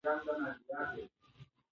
ژورنالیزم د حقایقو څرګندولو لاره ده.